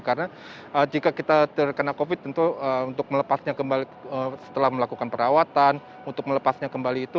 karena jika kita terkena covid sembilan belas tentu untuk melepasnya kembali setelah melakukan perawatan untuk melepasnya kembali itu